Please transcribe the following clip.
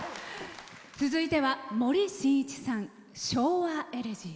続いては森進一さん「昭和エレジー」。